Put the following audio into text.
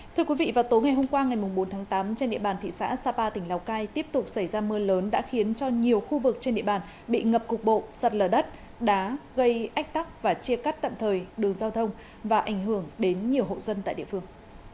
thưa quý vị vào tối ngày hôm qua ngày bốn tháng tám trên địa bàn thị xã sapa tỉnh lào cai tiếp tục xảy ra mưa lớn đã khiến cho nhiều khu vực trên địa bàn bị ngập cục bộ sạt lở đất đá gây ách tắc và chia cắt tạm thời đường giao thông và ảnh hưởng đến nhiều hộ dân tại địa phương